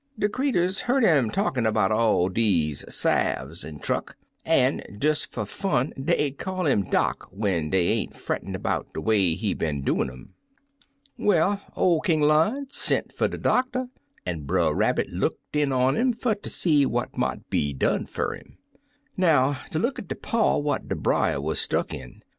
De creeturs hear 'im talkin' 'bout all er deze salves an' truck, an', des fer fun dey call 'im dock when dey ain't frettin' 'bout de way he been doin' um. "Well, ol' King Lion sont fer de doctor, 86 Two Fat Pullets an' Brer Rabbit looked in on 'im fer tcr sec what mought be done fer 'im. Now, ter look at de paw what de brier wuz stuck in.